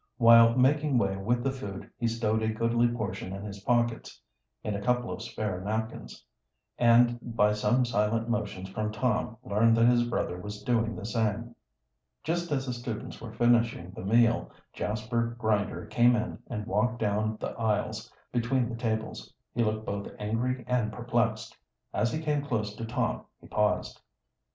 While making way with the food he stowed a goodly portion in his pockets, in a couple of spare napkins, and by some silent motions from Tom learned that his brother was doing the same. Just as the students were finishing the meal, Jasper Grinder came in and walked down the aisles between the tables. He looked both angry and perplexed. As he came close to Tom he paused.